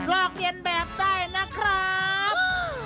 ลอกเรียนแบบได้นะครับ